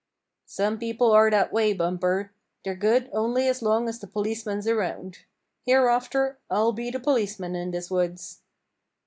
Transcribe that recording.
"Some people are that way, Bumper. They're good only as long as the policeman's around. Hereafter I'll be the policeman in this woods."